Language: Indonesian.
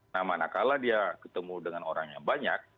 nah mana kala dia ketemu dengan orang yang banyak